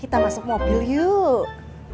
kita masuk mobil yuk